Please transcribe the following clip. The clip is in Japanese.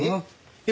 えっ？